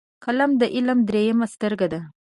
قلم د علم دریمه سترګه ده